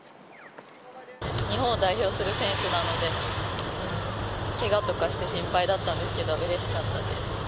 日本を代表する選手なので、けがとかして心配だったんですけど、うれしかったです。